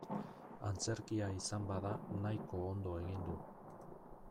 Antzerkia izan bada nahiko ondo egin du.